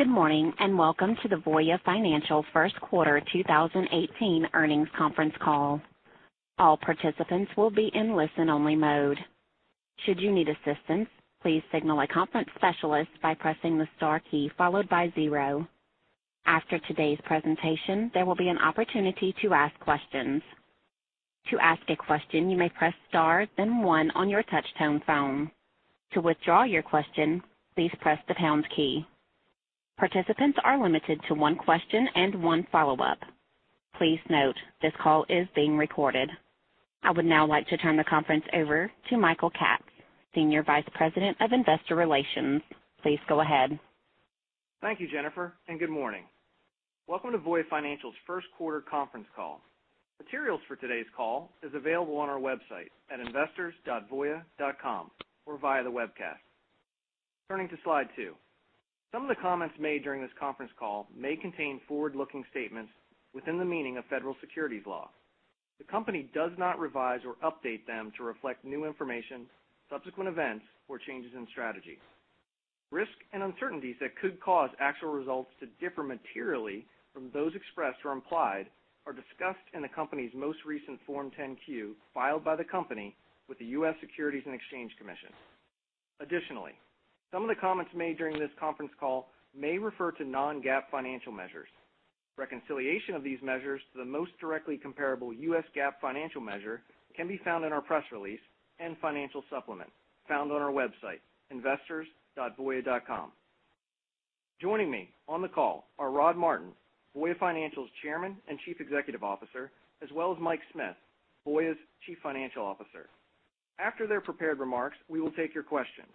Good morning, welcome to the Voya Financial first quarter 2018 earnings conference call. All participants will be in listen-only mode. Should you need assistance, please signal a conference specialist by pressing the star key followed by zero. After today's presentation, there will be an opportunity to ask questions. To ask a question, you may press star then one on your touch-tone phone. To withdraw your question, please press the pound key. Participants are limited to one question and one follow-up. Please note, this call is being recorded. I would now like to turn the conference over to Michael Katz, Senior Vice President of Investor Relations. Please go ahead. Thank you, Jennifer, good morning. Welcome to Voya Financial's first quarter conference call. Materials for today's call is available on our website at investors.voya.com or via the webcast. Turning to slide two. Some of the comments made during this conference call may contain forward-looking statements within the meaning of federal securities law. The company does not revise or update them to reflect new information, subsequent events, or changes in strategy. Risks and uncertainties that could cause actual results to differ materially from those expressed or implied are discussed in the company's most recent Form 10-Q filed by the company with the U.S. Securities and Exchange Commission. Additionally, some of the comments made during this conference call may refer to non-GAAP financial measures. Reconciliation of these measures to the most directly comparable U.S. GAAP financial measure can be found in our press release and financial supplement, found on our website, investors.voya.com. Joining me on the call are Rod Martin, Voya Financial's Chairman and Chief Executive Officer, as well as Mike Smith, Voya's Chief Financial Officer. After their prepared remarks, we will take your questions.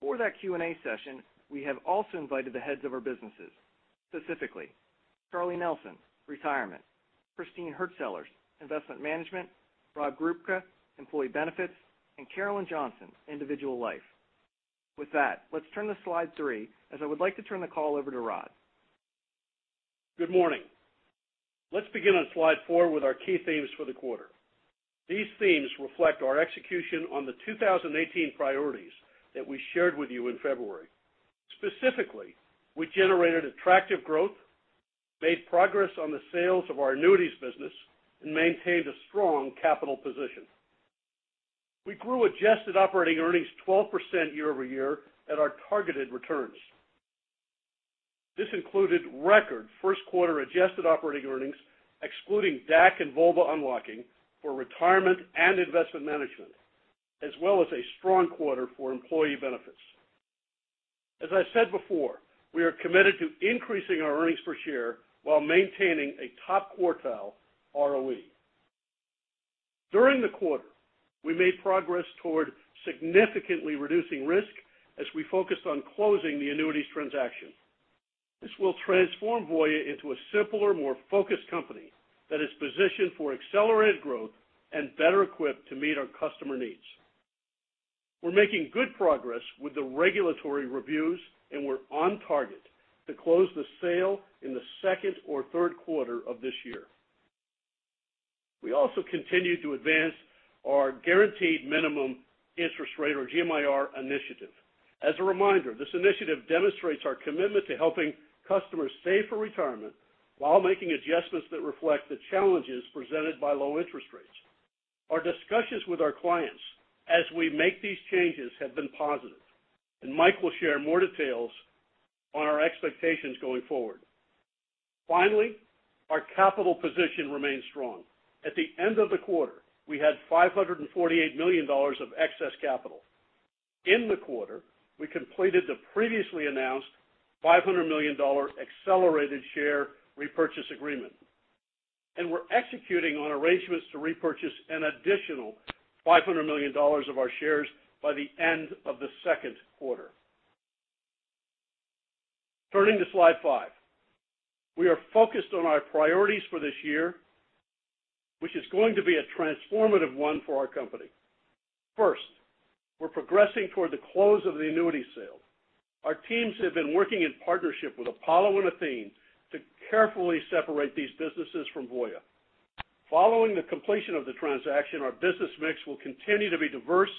For that Q&A session, we have also invited the heads of our businesses. Specifically, Charles Nelson, Retirement, Christine Hurtsellers, Investment Management, Rob Grubka, Employee Benefits, and Carolyn Johnson, Individual Life. With that, let's turn to slide three, as I would like to turn the call over to Rod. Good morning. Let's begin on slide four with our key themes for the quarter. These themes reflect our execution on the 2018 priorities that we shared with you in February. Specifically, we generated attractive growth, made progress on the sales of our annuities business, and maintained a strong capital position. We grew adjusted operating earnings 12% year-over-year at our targeted returns. This included record first quarter adjusted operating earnings, excluding DAC and VOBA unlocking for Retirement and Investment Management, as well as a strong quarter for Employee Benefits. As I said before, we are committed to increasing our earnings per share while maintaining a top quartile ROE. During the quarter, we made progress toward significantly reducing risk as we focused on closing the annuities transaction. This will transform Voya into a simpler, more focused company that is positioned for accelerated growth and better equipped to meet our customer needs. We're making good progress with the regulatory reviews, and we're on target to close the sale in the second or third quarter of this year. We also continue to advance our guaranteed minimum interest rate, or GMIR initiative. As a reminder, this initiative demonstrates our commitment to helping customers save for retirement while making adjustments that reflect the challenges presented by low interest rates. Our discussions with our clients as we make these changes have been positive. Mike will share more details on our expectations going forward. Finally, our capital position remains strong. At the end of the quarter, we had $548 million of excess capital. In the quarter, we completed the previously announced $500 million accelerated share repurchase agreement. We're executing on arrangements to repurchase an additional $500 million of our shares by the end of the second quarter. Turning to slide five. We are focused on our priorities for this year, which is going to be a transformative one for our company. First, we're progressing toward the close of the annuity sale. Our teams have been working in partnership with Apollo and Athene to carefully separate these businesses from Voya. Following the completion of the transaction, our business mix will continue to be diverse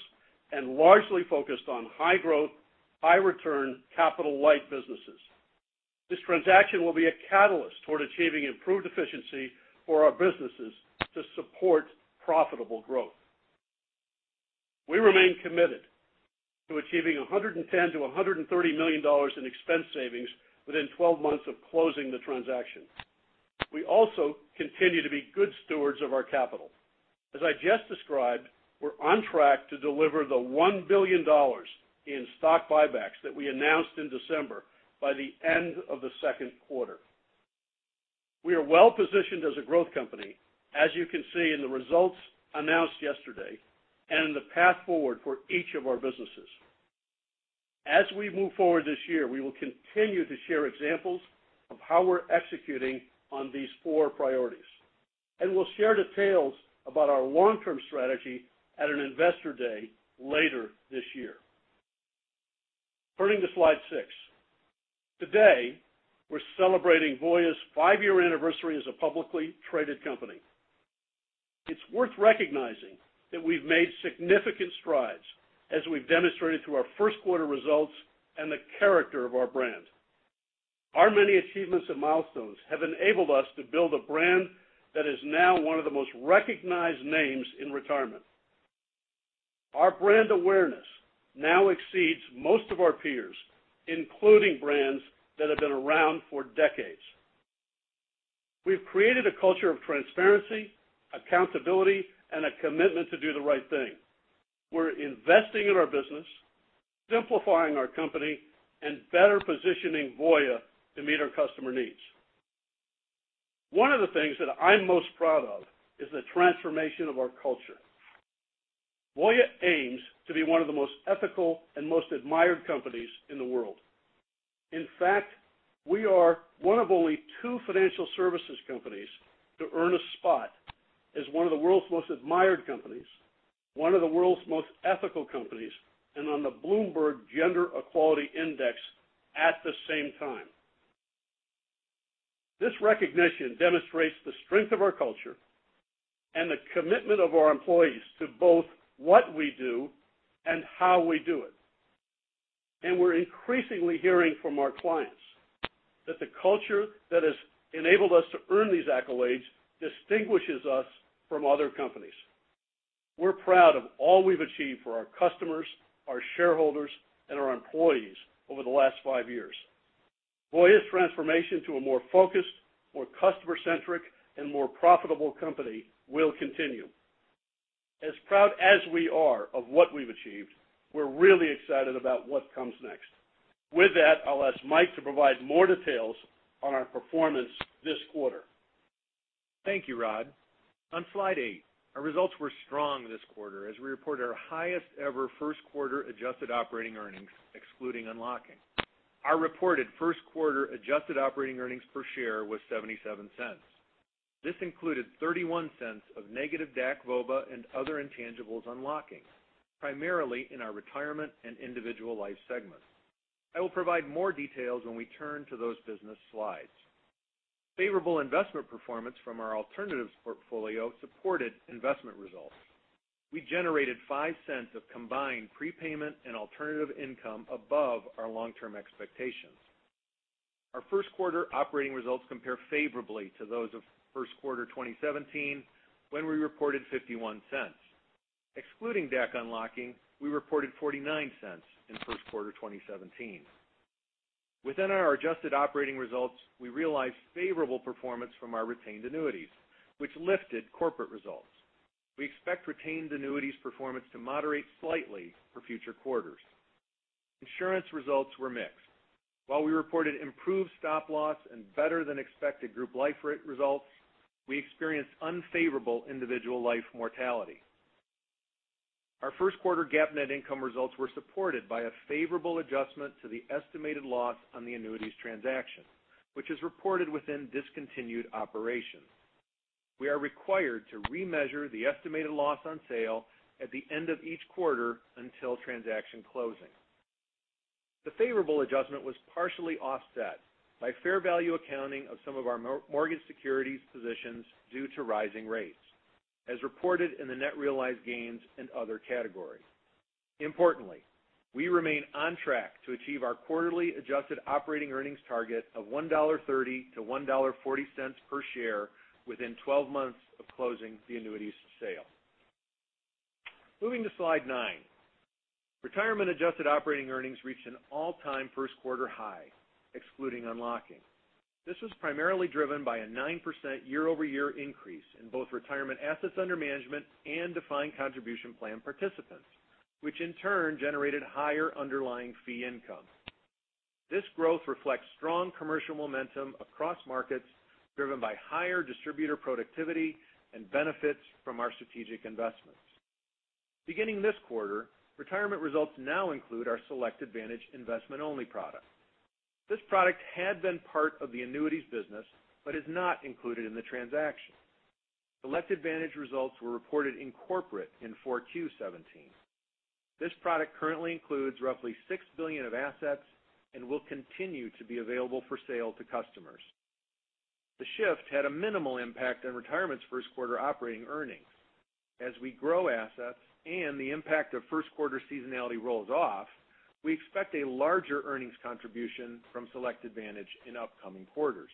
and largely focused on high growth, high return, capital light businesses. This transaction will be a catalyst toward achieving improved efficiency for our businesses to support profitable growth. We remain committed to achieving $110 million-$130 million in expense savings within 12 months of closing the transaction. We also continue to be good stewards of our capital. As I just described, we're on track to deliver the $1 billion in stock buybacks that we announced in December by the end of the second quarter. We are well positioned as a growth company, as you can see in the results announced yesterday and in the path forward for each of our businesses. As we move forward this year, we will continue to share examples of how we're executing on these four priorities. We'll share details about our long-term strategy at an investor day later this year. Turning to slide six. Today, we're celebrating Voya's five-year anniversary as a publicly traded company. It's worth recognizing that we've made significant strides as we've demonstrated through our first quarter results and the character of our brand. Our many achievements and milestones have enabled us to build a brand that is now one of the most recognized names in retirement. Our brand awareness now exceeds most of our peers, including brands that have been around for decades. We've created a culture of transparency, accountability, and a commitment to do the right thing. We're investing in our business, simplifying our company, and better positioning Voya to meet our customer needs. One of the things that I'm most proud of is the transformation of our culture. Voya aims to be one of the most ethical and most admired companies in the world. In fact, we are one of only two financial services companies to earn a spot as one of the world's most admired companies, one of the world's most ethical companies, and on the Bloomberg Gender-Equality Index at the same time. This recognition demonstrates the strength of our culture and the commitment of our employees to both what we do and how we do it. We're increasingly hearing from our clients that the culture that has enabled us to earn these accolades distinguishes us from other companies. We're proud of all we've achieved for our customers, our shareholders, and our employees over the last five years. Voya's transformation to a more focused, more customer-centric, and more profitable company will continue. As proud as we are of what we've achieved, we're really excited about what comes next. With that, I'll ask Mike to provide more details on our performance this quarter. Thank you, Rod. On slide eight, our results were strong this quarter as we reported our highest-ever first quarter adjusted operating earnings, excluding unlocking. Our reported first quarter adjusted operating earnings per share was $0.77. This included $0.31 of negative DAC, VOBA, and other intangibles unlocking, primarily in our Retirement and Individual Life segments. I will provide more details when we turn to those business slides. Favorable investment performance from our alternatives portfolio supported investment results. We generated $0.05 of combined prepayment and alternative income above our long-term expectations. Our first quarter operating results compare favorably to those of first quarter 2017, when we reported $0.51. Excluding DAC unlocking, we reported $0.49 in first quarter 2017. Within our adjusted operating results, we realized favorable performance from our retained annuities, which lifted corporate results. We expect retained annuities performance to moderate slightly for future quarters. Insurance results were mixed. While we reported improved stop loss and better-than-expected Group Life results, we experienced unfavorable Individual Life mortality. Our first quarter GAAP net income results were supported by a favorable adjustment to the estimated loss on the annuities transaction, which is reported within discontinued operations. We are required to remeasure the estimated loss on sale at the end of each quarter until transaction closing. The favorable adjustment was partially offset by fair value accounting of some of our mortgage securities positions due to rising rates, as reported in the net realized gains in other categories. Importantly, we remain on track to achieve our quarterly adjusted operating earnings target of $1.30-$1.40 per share within 12 months of closing the annuities sale. Moving to slide nine. Retirement adjusted operating earnings reached an all-time first quarter high, excluding unlocking. This was primarily driven by a 9% year-over-year increase in both Retirement assets under management and Defined Contribution Plan participants, which in turn generated higher underlying fee income. This growth reflects strong commercial momentum across markets, driven by higher distributor productivity and benefits from our strategic investments. Beginning this quarter, Retirement results now include our Select Advantage investment-only product. This product had been part of the annuities business but is not included in the transaction. Select Advantage results were reported in corporate in 4Q 2017. This product currently includes roughly $6 billion of assets and will continue to be available for sale to customers. The shift had a minimal impact on Retirement's first quarter operating earnings. As we grow assets and the impact of first quarter seasonality rolls off, we expect a larger earnings contribution from Select Advantage in upcoming quarters.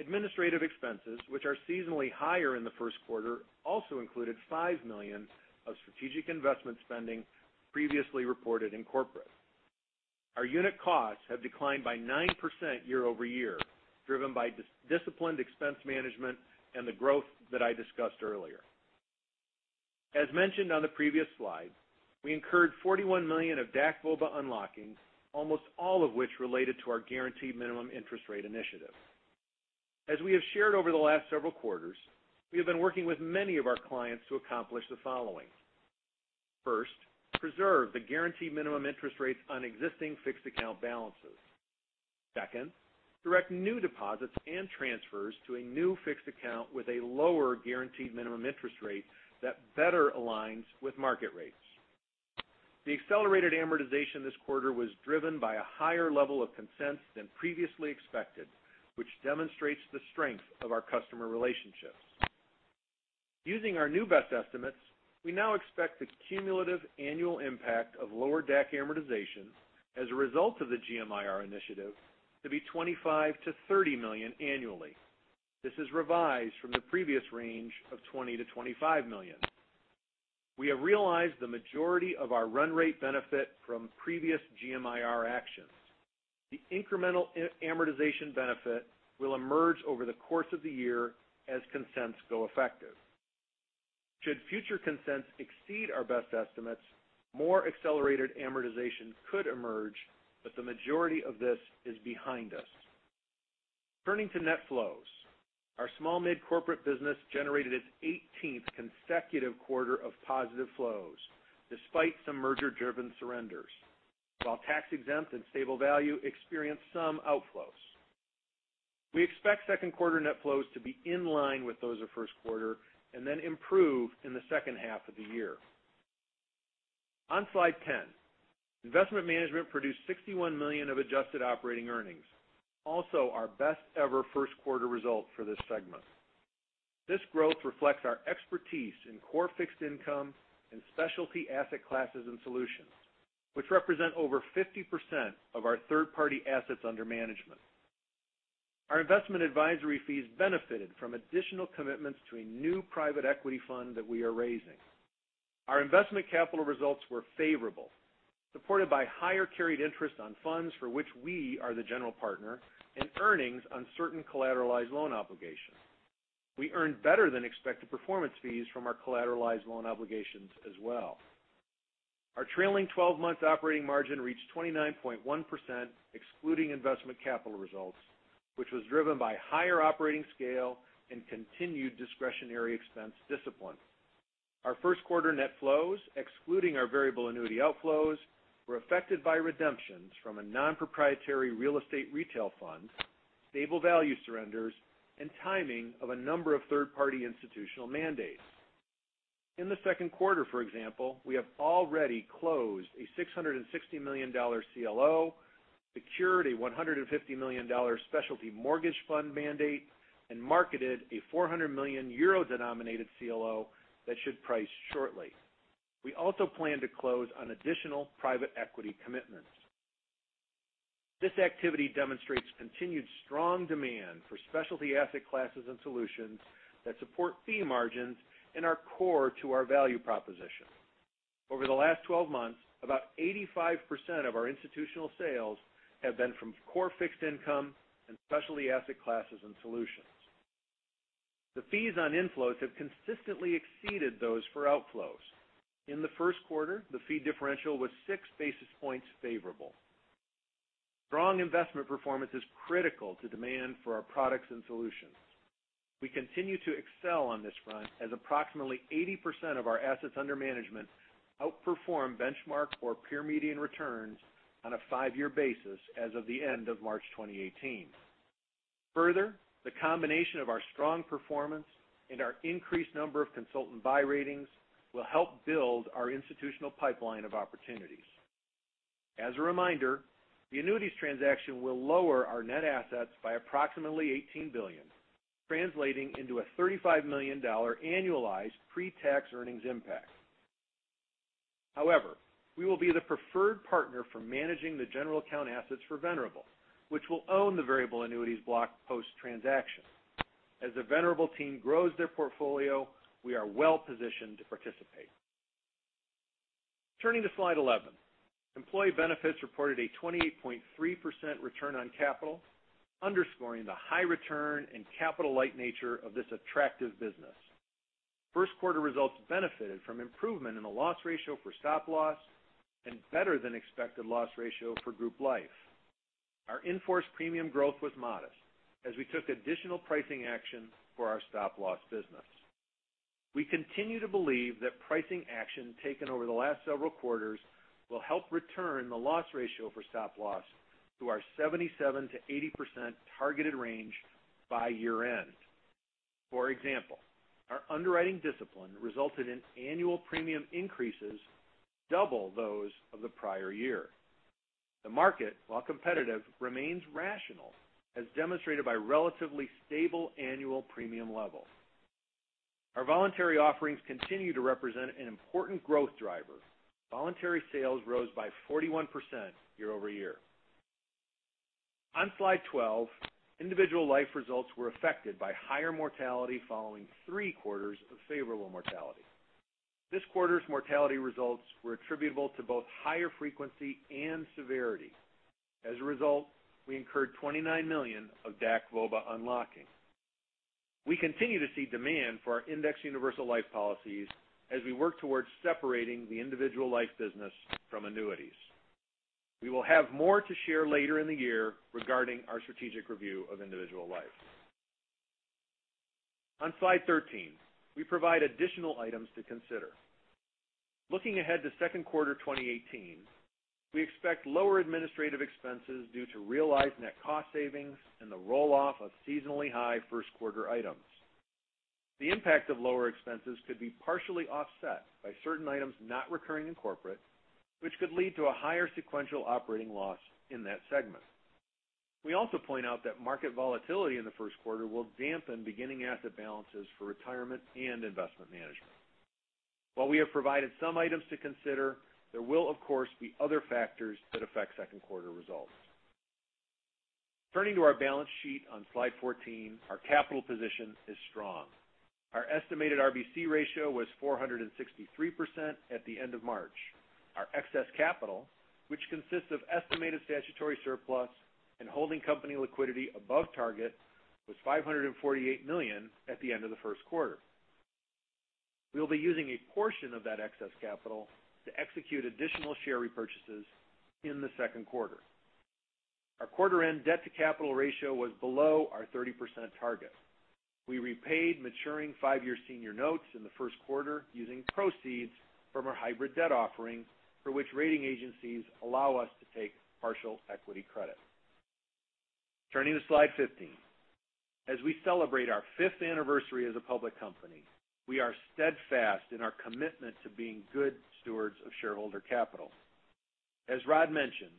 Administrative expenses, which are seasonally higher in the first quarter, also included $5 million of strategic investment spending previously reported in corporate. Our unit costs have declined by 9% year-over-year, driven by disciplined expense management and the growth that I discussed earlier. As mentioned on the previous slide, we incurred $41 million of DAC/VOBA unlocking, almost all of which related to our Guaranteed Minimum Interest Rate Initiative. As we have shared over the last several quarters, we have been working with many of our clients to accomplish the following. First, preserve the guaranteed minimum interest rates on existing fixed account balances. Second, direct new deposits and transfers to a new fixed account with a lower guaranteed minimum interest rate that better aligns with market rates. The accelerated amortization this quarter was driven by a higher level of consents than previously expected, which demonstrates the strength of our customer relationships. Using our new best estimates, we now expect the cumulative annual impact of lower DAC amortization as a result of the GMIR Initiative to be $25 million-$30 million annually. This is revised from the previous range of $20 million-$25 million. We have realized the majority of our run rate benefit from previous GMIR actions. The incremental amortization benefit will emerge over the course of the year as consents go effective. Should future consents exceed our best estimates, more accelerated amortization could emerge, but the majority of this is behind us. Turning to net flows. Our small mid corporate business generated its 18th consecutive quarter of positive flows, despite some merger driven surrenders, while tax-exempt and stable value experienced some outflows. We expect second quarter net flows to be in line with those of first quarter then improve in the second half of the year. On slide 10, investment management produced $61 million of adjusted operating earnings, also our best ever first quarter result for this segment. This growth reflects our expertise in core fixed income and specialty asset classes and solutions, which represent over 50% of our third-party assets under management. Our investment advisory fees benefited from additional commitments to a new private equity fund that we are raising. Our investment capital results were favorable, supported by higher carried interest on funds for which we are the general partner, and earnings on certain collateralized loan obligations. We earned better than expected performance fees from our collateralized loan obligations as well. Our trailing 12-month operating margin reached 29.1%, excluding investment capital results, which was driven by higher operating scale and continued discretionary expense discipline. Our first quarter net flows, excluding our variable annuity outflows, were affected by redemptions from a non-proprietary real estate retail fund, stable value surrenders, and timing of a number of third-party institutional mandates. In the second quarter, for example, we have already closed a $660 million CLO, secured a $150 million specialty mortgage fund mandate, and marketed a 400 million euro-denominated CLO that should price shortly. We also plan to close on additional private equity commitments. This activity demonstrates continued strong demand for specialty asset classes and solutions that support fee margins and are core to our value proposition. Over the last 12-months, about 85% of our institutional sales have been from core fixed income and specialty asset classes and solutions. The fees on inflows have consistently exceeded those for outflows. In the first quarter, the fee differential was six basis points favorable. Strong investment performance is critical to demand for our products and solutions. We continue to excel on this front, as approximately 80% of our assets under management outperform benchmark or peer median returns on a five-year basis as of the end of March 2018. Further, the combination of our strong performance and our increased number of consultant buy ratings will help build our institutional pipeline of opportunities. As a reminder, the annuities transaction will lower our net assets by approximately $18 billion, translating into a $35 million annualized pre-tax earnings impact. However, we will be the preferred partner for managing the general account assets for Venerable, which will own the variable annuities block post-transaction. As the Venerable team grows their portfolio, we are well positioned to participate. Turning to slide 11. Employee benefits reported a 28.3% return on capital, underscoring the high return and capital-light nature of this attractive business. First quarter results benefited from improvement in the loss ratio for stop loss and better than expected loss ratio for group life. Our in-force premium growth was modest as we took additional pricing action for our stop loss business. We continue to believe that pricing action taken over the last several quarters will help return the loss ratio for stop loss to our 77%-80% targeted range by year end. For example, our underwriting discipline resulted in annual premium increases double those of the prior year. The market, while competitive, remains rational, as demonstrated by relatively stable annual premium levels. Our voluntary offerings continue to represent an important growth driver. Voluntary sales rose by 41% year-over-year. On slide 12, individual life results were affected by higher mortality following three quarters of favorable mortality. This quarter's mortality results were attributable to both higher frequency and severity. As a result, we incurred $29 million of DAC VOBA unlocking. We continue to see demand for our index universal life policies as we work towards separating the individual life business from annuities. We will have more to share later in the year regarding our strategic review of individual life. On slide 13, we provide additional items to consider. Looking ahead to second quarter 2018, we expect lower administrative expenses due to realized net cost savings and the roll off of seasonally high first quarter items. The impact of lower expenses could be partially offset by certain items not recurring in corporate, which could lead to a higher sequential operating loss in that segment. We also point out that market volatility in the first quarter will dampen beginning asset balances for retirement and investment management. While we have provided some items to consider, there will, of course, be other factors that affect second quarter results. Turning to our balance sheet on slide 14, our capital position is strong. Our estimated RBC ratio was 463% at the end of March. Our excess capital, which consists of estimated statutory surplus and holding company liquidity above target, was $548 million at the end of the first quarter. We'll be using a portion of that excess capital to execute additional share repurchases in the second quarter. Our quarter-end debt-to-capital ratio was below our 30% target. We repaid maturing five-year senior notes in the first quarter using proceeds from our hybrid debt offering, for which rating agencies allow us to take partial equity credit. Turning to slide 15. As we celebrate our fifth anniversary as a public company, we are steadfast in our commitment to being good stewards of shareholder capital. As Rod mentioned,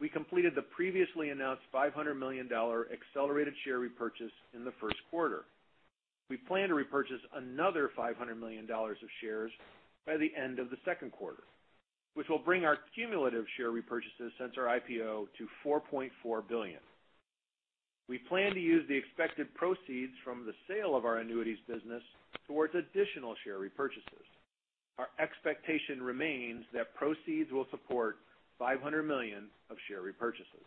we completed the previously announced $500 million accelerated share repurchase in the first quarter. We plan to repurchase another $500 million of shares by the end of the second quarter, which will bring our cumulative share repurchases since our IPO to $4.4 billion. We plan to use the expected proceeds from the sale of our annuities business towards additional share repurchases. Our expectation remains that proceeds will support $500 million of share repurchases.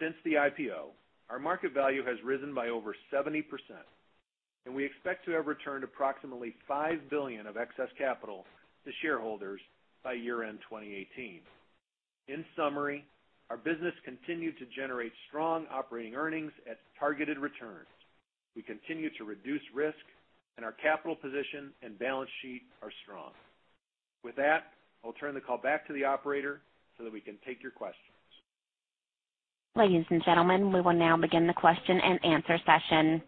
Since the IPO, our market value has risen by over 70%, and we expect to have returned approximately $5 billion of excess capital to shareholders by year-end 2018. In summary, our business continued to generate strong operating earnings at targeted returns. We continue to reduce risk, our capital position and balance sheet are strong. With that, I'll turn the call back to the operator so that we can take your questions. Ladies and gentlemen, we will now begin the question and answer session.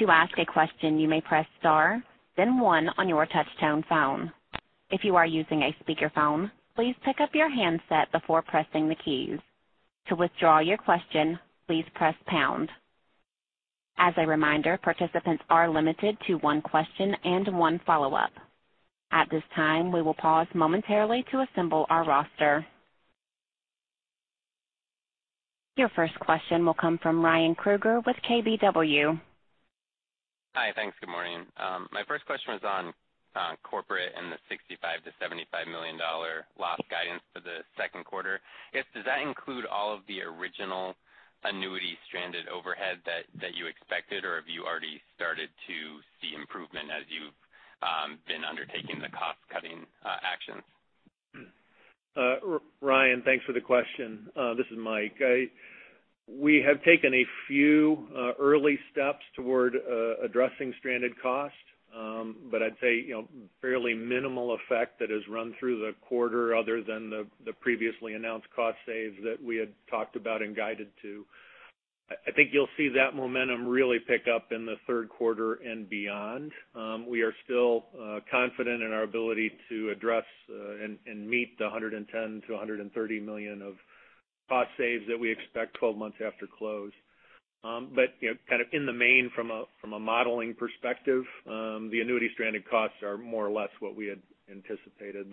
To ask a question, you may press star then one on your touch-tone phone. If you are using a speakerphone, please pick up your handset before pressing the keys. To withdraw your question, please press pound. As a reminder, participants are limited to one question and one follow-up. At this time, we will pause momentarily to assemble our roster. Your first question will come from Ryan Krueger with KBW. Hi. Thanks. Good morning. My first question was on corporate and the $65 million-$75 million loss guidance for the second quarter. I guess, does that include all of the original annuity-stranded overhead that you expected, or have you already started to see improvement as you've been undertaking the cost-cutting actions? Ryan, thanks for the question. This is Mike. We have taken a few early steps toward addressing stranded costs, I'd say fairly minimal effect that has run through the quarter other than the previously announced cost saves that we had talked about and guided to. I think you'll see that momentum really pick up in the third quarter and beyond. We are still confident in our ability to address and meet the $110 million-$130 million of cost saves that we expect 12 months after close. In the main, from a modeling perspective, the annuity stranded costs are more or less what we had anticipated.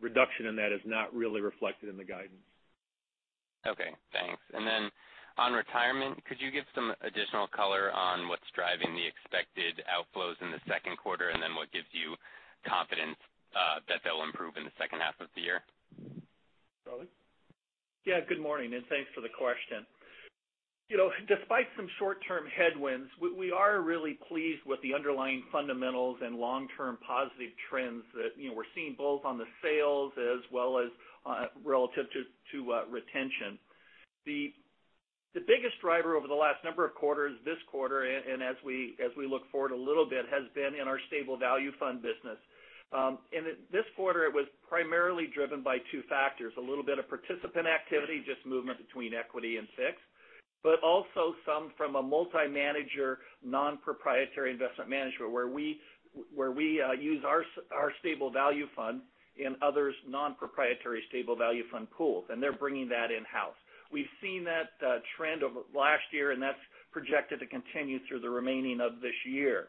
Reduction in that is not really reflected in the guidance. Okay, thanks. On retirement, could you give some additional color on what's driving the expected outflows in the second quarter, then what gives you confidence that they'll improve in the second half of the year? Charlie? Good morning, thanks for the question. Despite some short-term headwinds, we are really pleased with the underlying fundamentals and long-term positive trends that we're seeing both on the sales as well as relative to retention. The biggest driver over the last number of quarters this quarter and as we look forward a little bit, has been in our stable value fund business. In this quarter, it was primarily driven by two factors, a little bit of participant activity, just movement between equity and fixed, but also some from a multi-manager, non-proprietary investment management where we use our stable value fund in others' non-proprietary stable value fund pools, and they're bringing that in-house. We've seen that trend over last year, and that's projected to continue through the remaining of this year.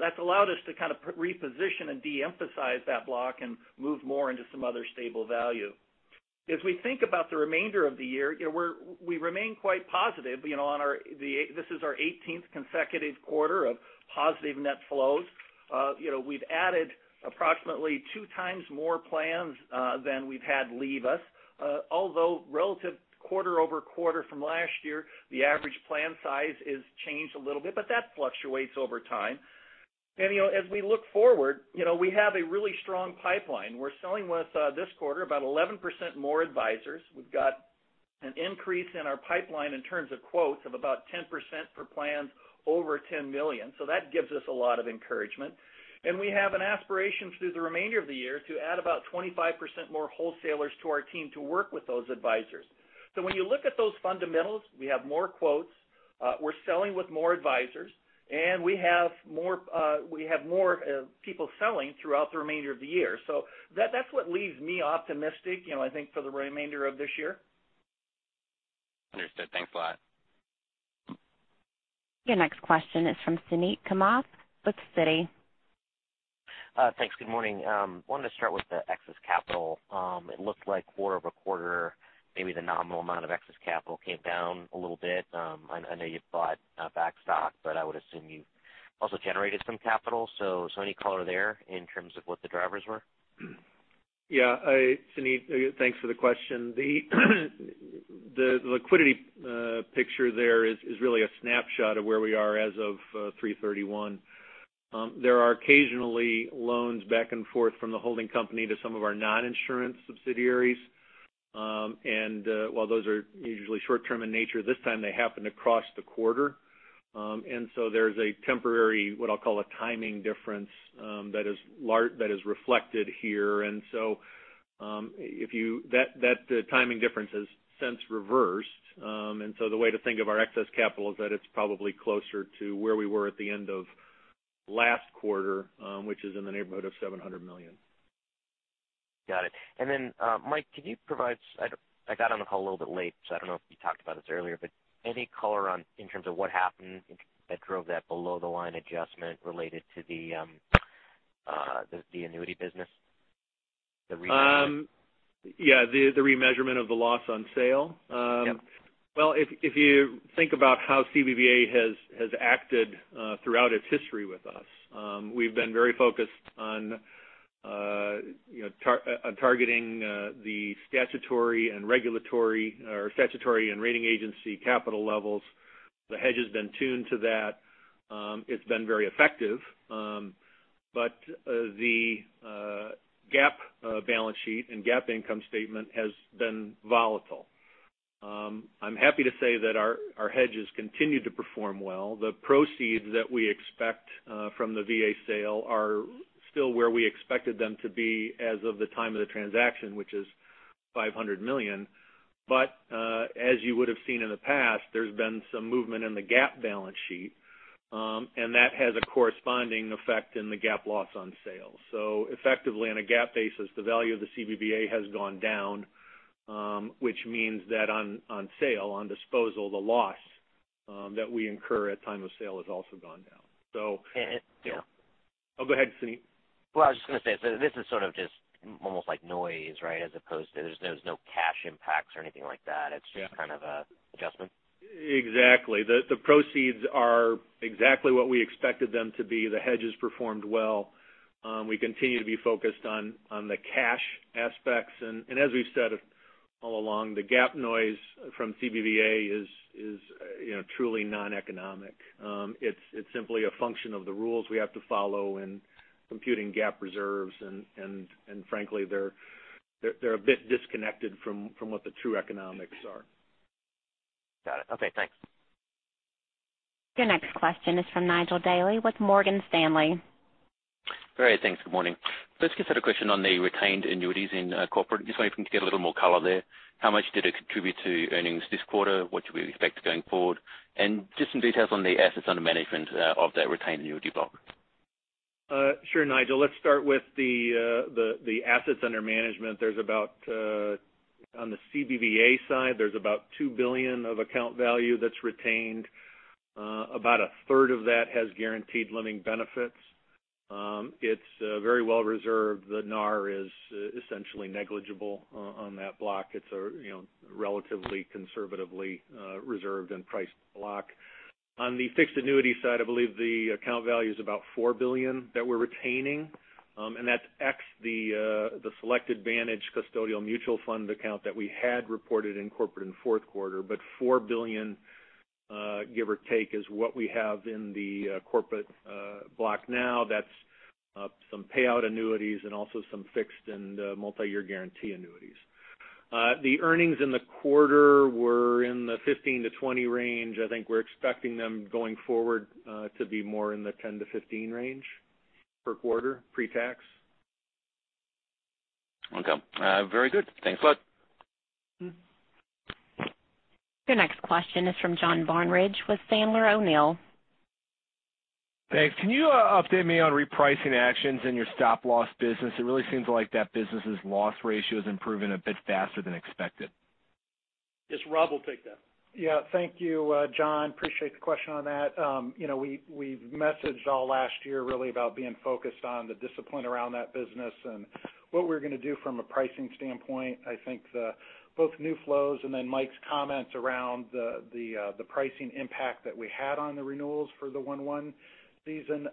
That's allowed us to kind of reposition and de-emphasize that block and move more into some other stable value. As we think about the remainder of the year, we remain quite positive. This is our 18th consecutive quarter of positive net flows. We've added approximately two times more plans than we've had leave us. Although relative quarter-over-quarter from last year, the average plan size has changed a little bit, but that fluctuates over time. As we look forward, we have a really strong pipeline. We're selling with this quarter about 11% more advisors. We've got an increase in our pipeline in terms of quotes of about 10% for plans over $10 million. That gives us a lot of encouragement. We have an aspiration through the remainder of the year to add about 25% more wholesalers to our team to work with those advisors. When you look at those fundamentals, we have more quotes, we're selling with more advisors, and we have more people selling throughout the remainder of the year. That's what leaves me optimistic, I think, for the remainder of this year. Understood. Thanks a lot. Your next question is from Suneet Kamath with Citi. Thanks. Good morning. I wanted to start with the excess capital. It looked like quarter-over-quarter, maybe the nominal amount of excess capital came down a little bit. I know you bought back stock, but I would assume you also generated some capital. Any color there in terms of what the drivers were? Yeah. Suneet, thanks for the question. The liquidity picture there is really a snapshot of where we are as of 3/31. There are occasionally loans back and forth from the holding company to some of our non-insurance subsidiaries. While those are usually short-term in nature, this time they happen across the quarter. There's a temporary, what I'll call a timing difference, that is reflected here. That timing difference has since reversed. The way to think of our excess capital is that it's probably closer to where we were at the end of last quarter, which is in the neighborhood of $700 million. Got it. Mike, can you provide, I got on the call a little bit late, so I don't know if you talked about this earlier, but any color in terms of what happened that drove that below-the-line adjustment related to the annuity business, the remeasure? Yeah, the remeasurement of the loss on sale? Yep. Well, if you think about how CBVA has acted throughout its history with us, we've been very focused on targeting the statutory and rating agency capital levels. The hedge has been tuned to that. It's been very effective. The GAAP balance sheet and GAAP income statement has been volatile. I'm happy to say that our hedges continue to perform well. The proceeds that we expect from the VA sale are still where we expected them to be as of the time of the transaction, which is $500 million. As you would've seen in the past, there's been some movement in the GAAP balance sheet, that has a corresponding effect in the GAAP loss on sale. Effectively, on a GAAP basis, the value of the CBVA has gone down, which means that on sale, on disposal, the loss that we incur at time of sale has also gone down. And- Yeah. Oh, go ahead, Suneet. Well, I was just going to say, this is sort of just almost like noise, right? As opposed to, there's no cash impacts or anything like that. Yeah. It's just kind of an adjustment. Exactly. The proceeds are exactly what we expected them to be. The hedges performed well. We continue to be focused on the cash aspects. As we've said all along, the GAAP noise from CBVA is truly non-economic. It's simply a function of the rules we have to follow in computing GAAP reserves, and frankly, they're a bit disconnected from what the true economics are. Got it. Okay, thanks. Your next question is from Nigel Dally with Morgan Stanley. Great. Thanks. Good morning. First, just had a question on the retained annuities in corporate. Just wondering if we can get a little more color there. How much did it contribute to earnings this quarter? What should we expect going forward? Just some details on the assets under management of that retained annuity block. Sure, Nigel. Let's start with the assets under management. On the CBVA side, there's about $2 billion of account value that's retained. About a third of that has guaranteed lending benefits. It's very well reserved. The NAR is essentially negligible on that block. It's a relatively conservatively reserved and priced block. On the fixed annuity side, I believe the account value is about $4 billion that we're retaining. That's X the Select Advantage custodial mutual fund account that we had reported in corporate in fourth quarter. $4 billion, give or take, is what we have in the corporate block now. That's some payout annuities and also some fixed and multi-year guarantee annuities. The earnings in the quarter were in the $15-$20 range. I think we're expecting them going forward to be more in the $10-$15 range per quarter, pre-tax. Okay. Very good. Thanks a lot. Your next question is from John Barnidge with Sandler O'Neill. Thanks. Can you update me on repricing actions in your stop-loss business? It really seems like that business's loss ratio is improving a bit faster than expected. Yes, Rob will take that. Yeah. Thank you, John. Appreciate the question on that. We messaged all last year really about being focused on the discipline around that business and what we're going to do from a pricing standpoint. I think both new flows and then Mike's comments around the pricing impact that we had on the renewals for the one one season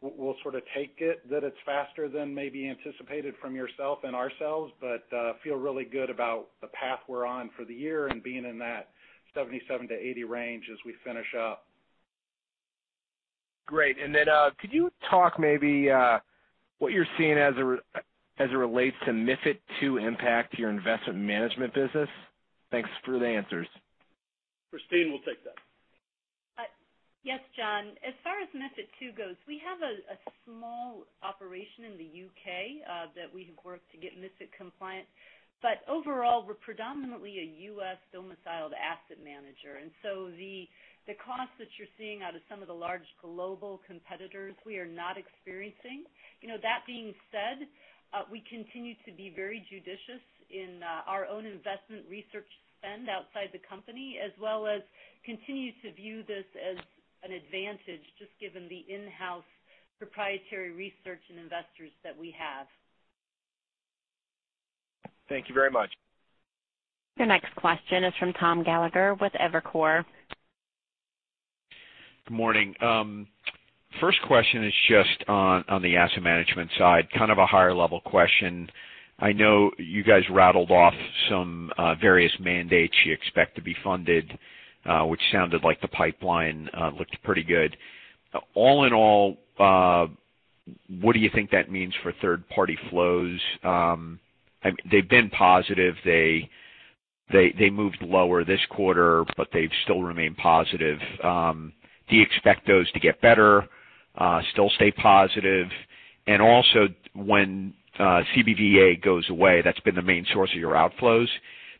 will sort of take it that it's faster than maybe anticipated from yourself and ourselves, but feel really good about the path we're on for the year and being in that 77-80 range as we finish up. Great. Could you talk maybe what you're seeing as it relates to MiFID II impact to your investment management business? Thanks for the answers. Christine will take that. Yes, John. As far as MiFID II goes, we have a small operation in the U.K. that we have worked to get MiFID compliant. Overall, we're predominantly a U.S.-domiciled asset manager, the cost that you're seeing out of some of the large global competitors, we are not experiencing. That being said, we continue to be very judicious in our own investment research spend outside the company, as well as continue to view this as an advantage, just given the in-house proprietary research and investors that we have. Thank you very much. Your next question is from Thomas Gallagher with Evercore. Good morning. First question is just on the asset management side, kind of a higher-level question. I know you guys rattled off some various mandates you expect to be funded, which sounded like the pipeline looked pretty good. All in all, what do you think that means for third-party flows? They've been positive. They moved lower this quarter, they've still remained positive. Do you expect those to get better? Still stay positive? Also, when CBVA goes away, that's been the main source of your outflows.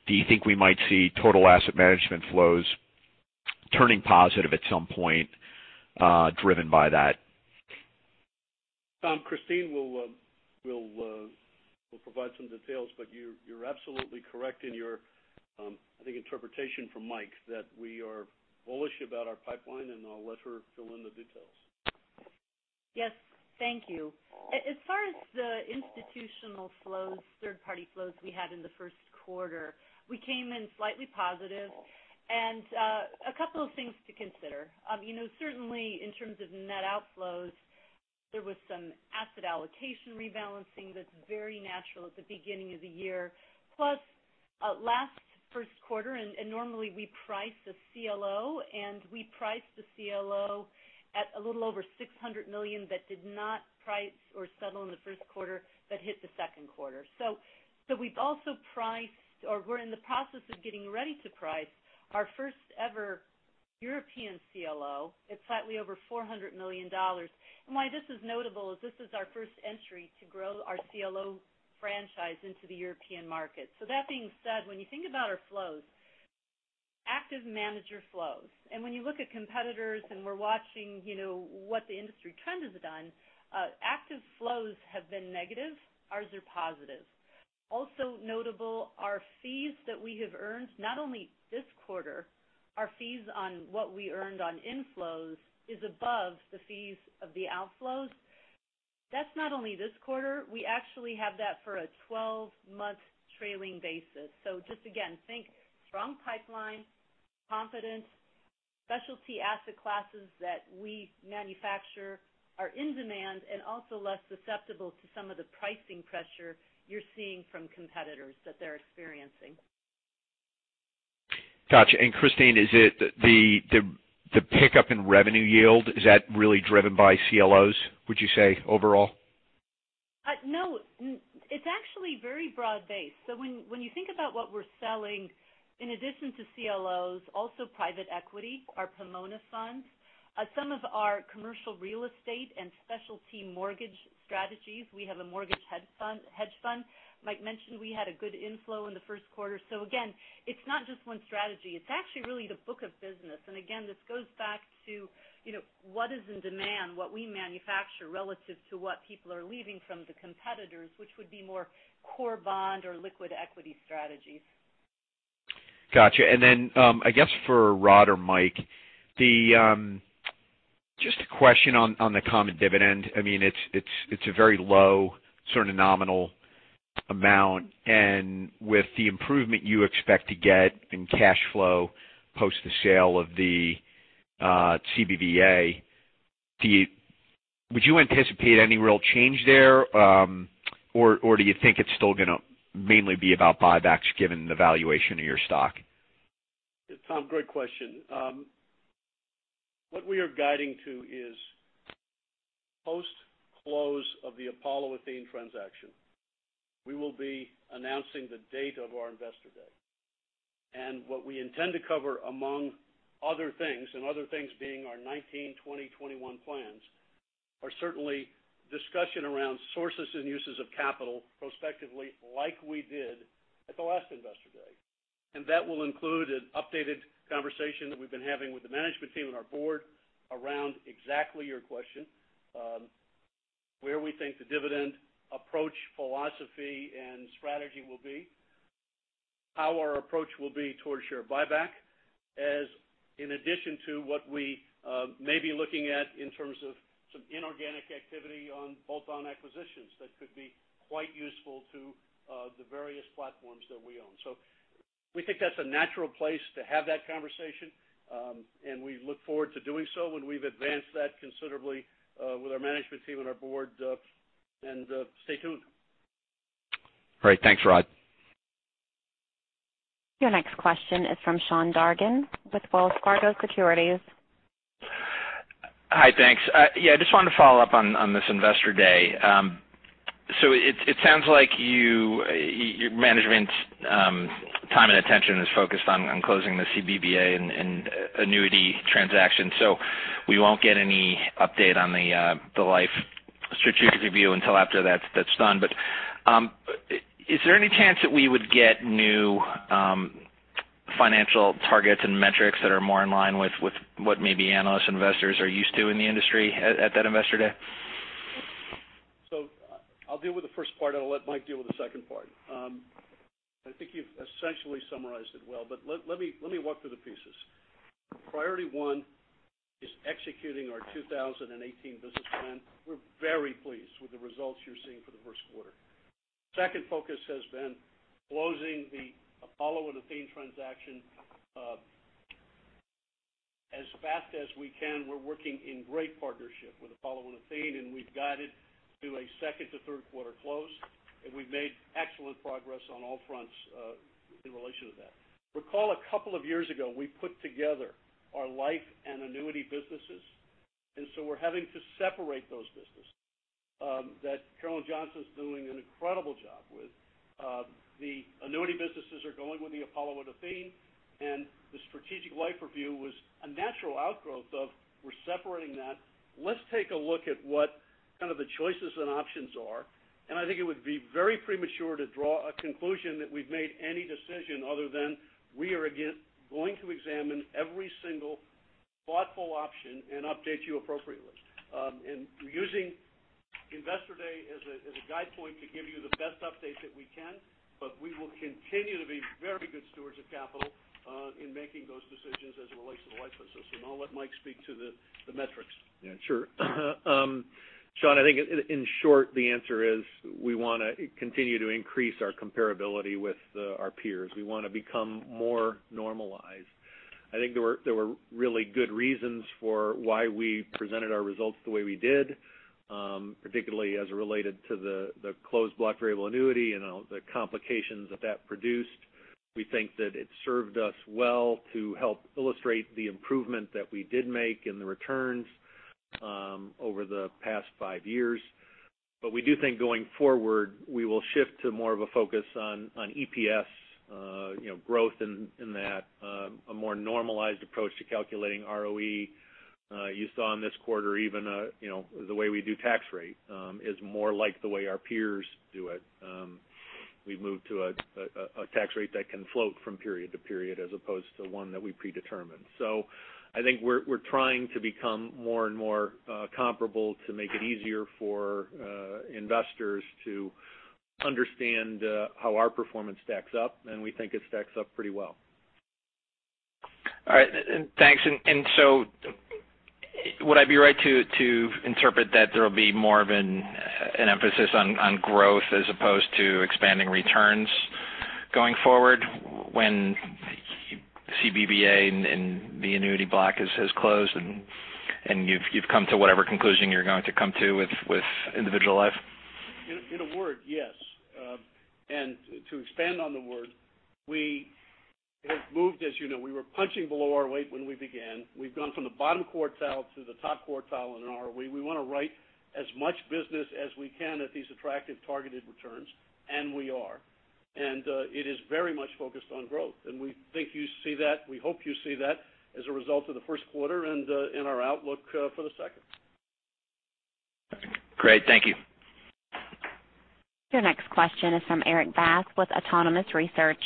Do you think we might see total asset management flows turning positive at some point, driven by that? Tom, Christine will provide some details. You're absolutely correct in your, I think, interpretation from Mike, that we are bullish about our pipeline. I'll let her fill in the details. Yes. Thank you. As far as the institutional flows, third-party flows we had in the first quarter, we came in slightly positive. A couple of things to consider. Certainly in terms of net outflows, there was some asset allocation rebalancing that's very natural at the beginning of the year. Plus last first quarter, and normally we price a CLO, and we priced a CLO at a little over $600 million that did not price or settle in the first quarter, that hit the second quarter. We've also priced, or we're in the process of getting ready to price our first ever European CLO. It's slightly over EUR 400 million. Why this is notable is this is our first entry to grow our CLO franchise into the European market. That being said, when you think about our flows, active manager flows, and when you look at competitors and we're watching what the industry trend has done, active flows have been negative, ours are positive. Also notable are fees that we have earned not only this quarter, our fees on what we earned on inflows is above the fees of the outflows. That's not only this quarter. We actually have that for a 12-month trailing basis. Just again, think strong pipeline confidence, specialty asset classes that we manufacture are in demand and also less susceptible to some of the pricing pressure you're seeing from competitors that they're experiencing. Got you. Christine, is it the pickup in revenue yield? Is that really driven by CLOs, would you say, overall? No. It's actually very broad based. When you think about what we're selling, in addition to CLOs, also private equity, our Pomona funds, some of our commercial real estate and specialty mortgage strategies. We have a mortgage hedge fund. Mike mentioned we had a good inflow in the first quarter. Again, it's not just one strategy. It's actually really the book of business. Again, this goes back to what is in demand, what we manufacture relative to what people are leaving from the competitors, which would be more core bond or liquid equity strategies. Got you. I guess for Rod or Mike, just a question on the common dividend. It's a very low sort of nominal amount, and with the improvement you expect to get in cash flow post the sale of the CBVA, would you anticipate any real change there? Or do you think it's still going to mainly be about buybacks given the valuation of your stock? Tom, great question. What we are guiding to is post-close of the Apollo/Athene transaction. We will be announcing the date of our investor day. What we intend to cover, among other things, and other things being our 2019, 2020, 2021 plans, are certainly discussion around sources and uses of capital prospectively like we did at the last investor day. That will include an updated conversation that we've been having with the management team and our board around exactly your question. Where we think the dividend approach philosophy and strategy will be. How our approach will be towards share buyback, as in addition to what we may be looking at in terms of some inorganic activity on bolt-on acquisitions that could be quite useful to the various platforms that we own. We think that's a natural place to have that conversation, and we look forward to doing so when we've advanced that considerably with our management team and our board. Stay tuned. Great. Thanks, Rod. Your next question is from Sean Dargan with Wells Fargo Securities. Hi, thanks. Yeah, I just wanted to follow up on this Investor Day. It sounds like your management time and attention is focused on closing the CBVA and annuity transaction. We won't get any update on the life strategic review until after that's done. Is there any chance that we would get new financial targets and metrics that are more in line with what maybe analysts, investors are used to in the industry at that Investor Day? I'll deal with the first part, and I'll let Mike deal with the second part. I think you've essentially summarized it well. Let me walk through the pieces. Priority 1 is executing our 2018 business plan. We're very pleased with the results you're seeing for the first quarter. Second focus has been closing the Apollo and Athene transaction as fast as we can. We're working in great partnership with Apollo and Athene. We've guided to a second to third quarter close, and we've made excellent progress on all fronts in relation to that. Recall a couple of years ago, we put together our life and annuity businesses. We're having to separate those businesses that Carolyn Johnson's doing an incredible job with. The annuity businesses are going with the Apollo and Athene. The strategic life review was a natural outgrowth of we're separating that. Let's take a look at what kind of the choices and options are. I think it would be very premature to draw a conclusion that we've made any decision other than we are, again, going to examine every single thoughtful option and update you appropriately. We're using Investor Day as a guide point to give you the best updates that we can, but we will continue to be very good stewards of capital in making those decisions as it relates to the life business. I'll let Mike speak to the metrics. Yeah, sure. Sean, I think in short, the answer is we want to continue to increase our comparability with our peers. We want to become more normalized. I think there were really good reasons for why we presented our results the way we did, particularly as it related to the Closed Block Variable Annuity and the complications that produced. We think that it served us well to help illustrate the improvement that we did make in the returns over the past five years. We do think going forward, we will shift to more of a focus on EPS growth in that, a more normalized approach to calculating ROE. You saw in this quarter even the way we do tax rate is more like the way our peers do it. We've moved to a tax rate that can float from period to period as opposed to one that we predetermined. I think we're trying to become more and more comparable to make it easier for investors to understand how our performance stacks up, and we think it stacks up pretty well. All right. Thanks. Would I be right to interpret that there'll be more of an emphasis on growth as opposed to expanding returns going forward when CBVA and the annuity block has closed and you've come to whatever conclusion you're going to come to with individual life? In a word, yes. To expand on the word, we have moved, as you know, we were punching below our weight when we began. We've gone from the bottom quartile to the top quartile in an ROE. We want to write as much business as we can at these attractive targeted returns, and we are. It is very much focused on growth, and we think you see that. We hope you see that as a result of the first quarter and in our outlook for the second. Great. Thank you. Your next question is from Erik Bass with Autonomous Research.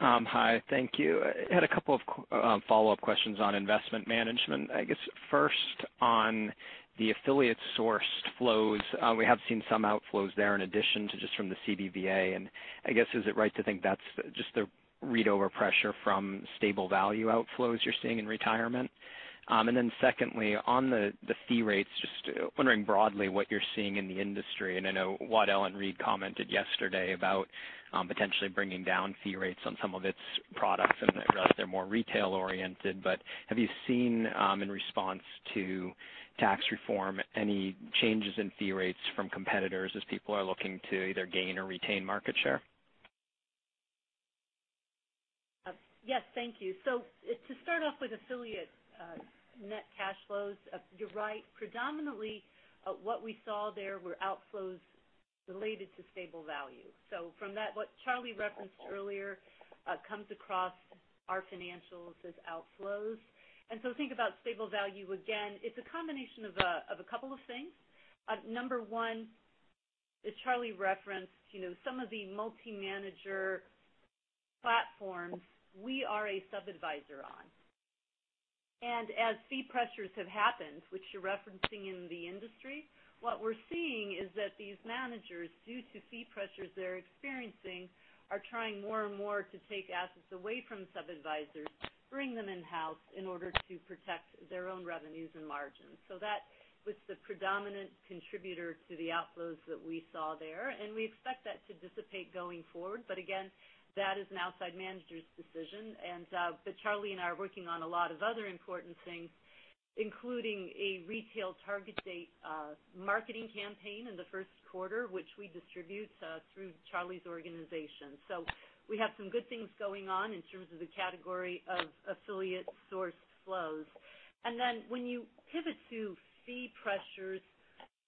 Hi, thank you. I had a couple of follow-up questions on investment management. I guess first on the affiliate-sourced flows. We have seen some outflows there in addition to just from the CBVA, and I guess, is it right to think that's just the read over pressure from stable value outflows you're seeing in retirement? Then secondly, on the fee rates, just wondering broadly what you're seeing in the industry. I know Waddell & Reed commented yesterday about potentially bringing down fee rates on some of its products and I guess they're more retail-oriented, but have you seen, in response to tax reform, any changes in fee rates from competitors as people are looking to either gain or retain market share? Yes, thank you. To start off with affiliate net cash flows, you're right. Predominantly, what we saw there were outflows related to stable value. From that, what Charlie referenced earlier comes across our financials as outflows. Think about stable value, again, it's a combination of a couple of things. Number 1, as Charlie referenced, some of the multi-manager platforms, we are a sub-adviser on. As fee pressures have happened, which you're referencing in the industry, what we're seeing is that these managers, due to fee pressures they're experiencing, are trying more and more to take assets away from sub-advisers, bring them in-house in order to protect their own revenues and margins. That was the predominant contributor to the outflows that we saw there, and we expect that to dissipate going forward. Again, that is an outside manager's decision. Charlie and I are working on a lot of other important things, including a retail target date marketing campaign in the first quarter, which we distribute through Charlie's organization. We have some good things going on in terms of the category of affiliate source flows. When you pivot to fee pressures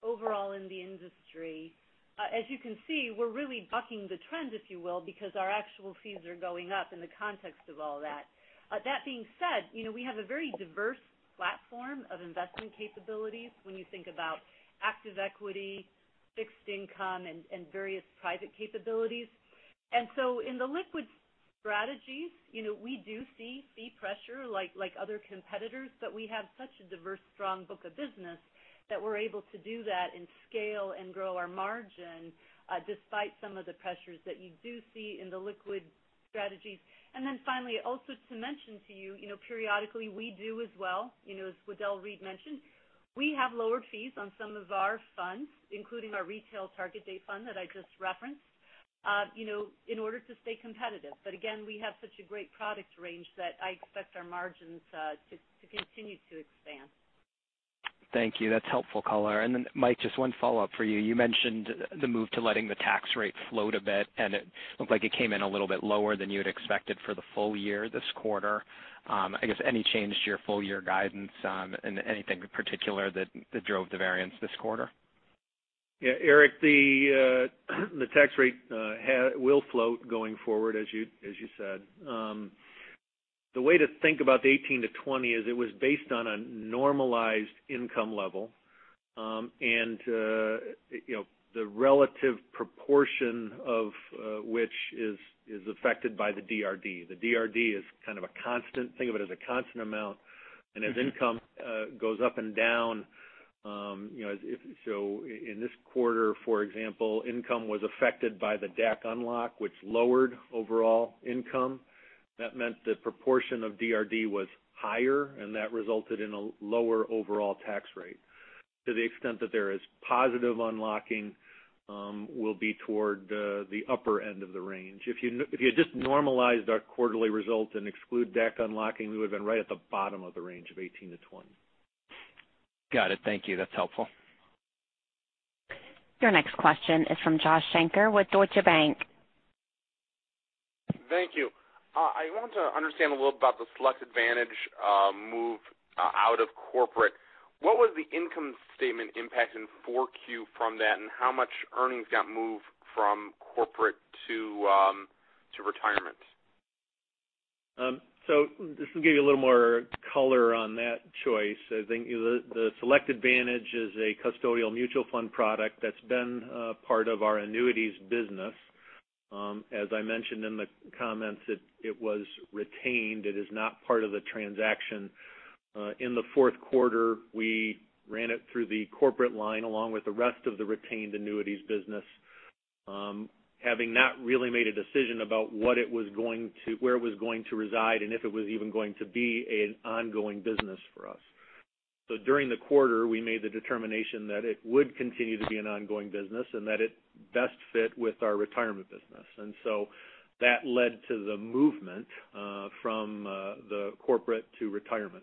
overall in the industry. As you can see, we're really bucking the trend, if you will, because our actual fees are going up in the context of all that. That being said, we have a very diverse platform of investment capabilities when you think about active equity, fixed income, and various private capabilities. In the liquid strategies, we do see fee pressure like other competitors, but we have such a diverse, strong book of business that we're able to do that and scale and grow our margin despite some of the pressures that you do see in the liquid strategies. Finally, also to mention to you, periodically, we do as well, as Waddell & Reed mentioned, we have lowered fees on some of our funds, including our retail target date fund that I just referenced, in order to stay competitive. Again, we have such a great product range that I expect our margins to continue to expand. Thank you. That's helpful color. Mike, just one follow-up for you. You mentioned the move to letting the tax rate float a bit, and it looked like it came in a little bit lower than you had expected for the full year this quarter. I guess any change to your full-year guidance on anything particular that drove the variance this quarter? Yeah, Erik, the tax rate will float going forward, as you said. The way to think about the 18%-20% is it was based on a normalized income level, and the relative proportion of which is affected by the DRD. The DRD is kind of a constant. Think of it as a constant amount. As income goes up and down, so in this quarter, for example, income was affected by the DAC unlock, which lowered overall income. That meant the proportion of DRD was higher, and that resulted in a lower overall tax rate. To the extent that there is positive unlocking will be toward the upper end of the range. If you just normalized our quarterly result and exclude DAC unlocking, we would've been right at the bottom of the range of 18%-20%. Got it. Thank you. That's helpful. Your next question is from Joshua Shanker with Deutsche Bank. Thank you. I want to understand a little about the Select Advantage move out of corporate. What was the income statement impact in 4Q from that, and how much earnings got moved from corporate to retirement? Just to give you a little more color on that choice, I think the Select Advantage is a custodial mutual fund product that's been a part of our annuities business. As I mentioned in the comments, it was retained. It is not part of the transaction. In the fourth quarter, we ran it through the corporate line along with the rest of the retained annuities business, having not really made a decision about where it was going to reside and if it was even going to be an ongoing business for us. During the quarter, we made the determination that it would continue to be an ongoing business and that it best fit with our retirement business. That led to the movement from the corporate to retirement.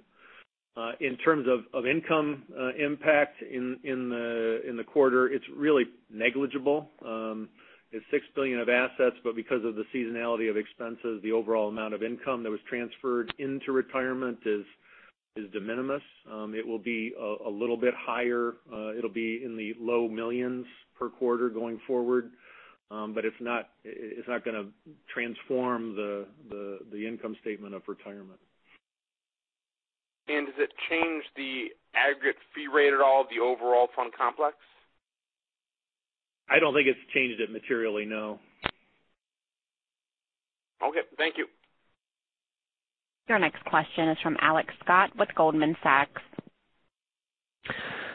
In terms of income impact in the quarter, it's really negligible. It's $6 billion of assets, because of the seasonality of expenses, the overall amount of income that was transferred into retirement is de minimis. It will be a little bit higher. It'll be in the low millions per quarter going forward. It's not going to transform the income statement of retirement. Does it change the aggregate fee rate at all, the overall fund complex? I don't think it's changed it materially, no. Okay. Thank you. Your next question is from Alex Scott with Goldman Sachs.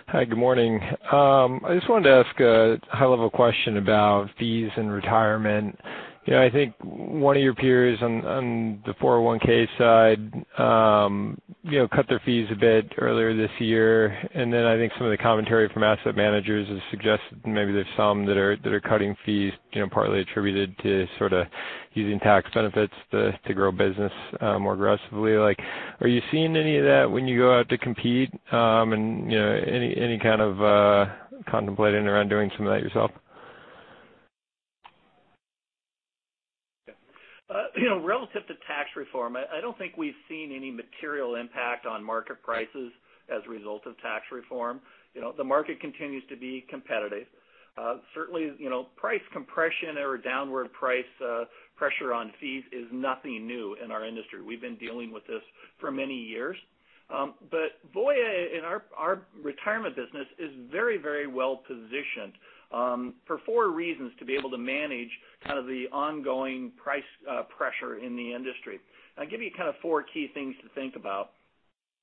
Hi, good morning. I just wanted to ask a high-level question about fees and retirement. I think one of your peers on the 401 side cut their fees a bit earlier this year. I think some of the commentary from asset managers has suggested maybe there's some that are cutting fees partly attributed to using tax benefits to grow business more aggressively. Are you seeing any of that when you go out to compete? Any kind of contemplating around doing some of that yourself? Yeah. Relative to tax reform, I don't think we've seen any material impact on market prices as a result of tax reform. The market continues to be competitive. Certainly, price compression or downward price pressure on fees is nothing new in our industry. We've been dealing with this for many years. Voya and our retirement business is very well-positioned, for 4 reasons, to be able to manage the ongoing price pressure in the industry. I'll give you 4 key things to think about.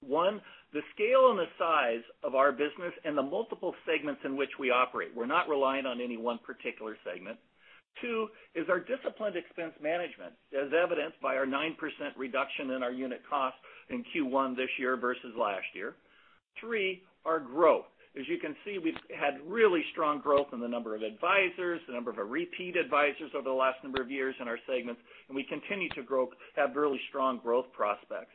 One, the scale and the size of our business and the multiple segments in which we operate. We're not reliant on any one particular segment. Two is our disciplined expense management, as evidenced by our 9% reduction in our unit cost in Q1 this year versus last year. Three, our growth. As you can see, we've had really strong growth in the number of advisors, the number of our repeat advisors over the last number of years in our segments. We continue to have really strong growth prospects.